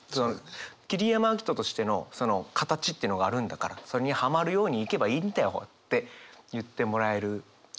桐山照史としてのその形っていうのがあるんだからそれにはまるようにいけばいいんだよって言ってもらえる気がして。